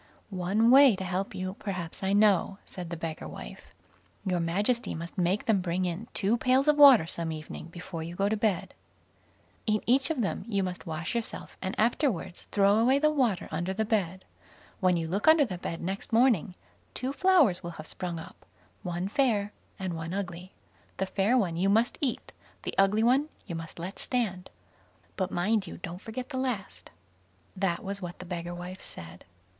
"One way to help you perhaps I know", said the beggar wife. "Your Majesty must make them bring in two pails of water some evening before you go to bed. In each of them you must wash yourself, and afterwards throw away the water under the bed. When you look under the bed next morning, two flowers will have sprung up, one fair and one ugly. The fair one you must eat, the ugly one you must let stand; but mind you don't forget the last." That was what the beggar wife said.